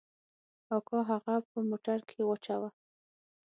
اکا هغه په موټر کښې واچاوه.